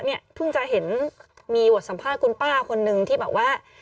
เพิ่งจะเห็นมีบทสัมภาษณ์คุณป้าคนนึงที่แบบว่า